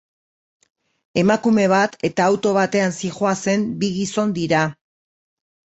Emakume bat eta auto batean zihoazen bi gizon dira.